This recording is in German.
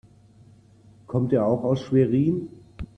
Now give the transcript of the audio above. Kommt er auch aus Schwerin?